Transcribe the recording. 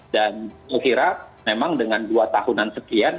dan saya kira memang dengan dua tahunan sekian